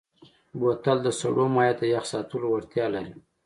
بوتل د سړو مایعاتو د یخ ساتلو وړتیا لري.